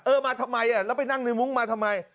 มาทำไมแล้วไปนั่งในมุ้งมาทำไม